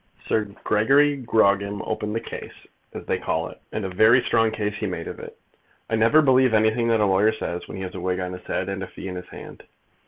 "Sir Gregory Grogram opened the case, as they call it; and a very strong case he made of it. I never believe anything that a lawyer says when he has a wig on his head and a fee in his hand.